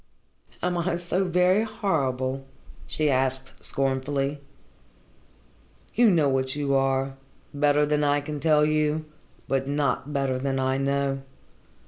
"Am I so very horrible?" she asked scornfully. "You know what you are, better than I can tell you, but not better than I know.